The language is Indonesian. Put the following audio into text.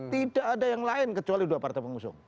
tidak ada yang lain kecuali dua partai pengusung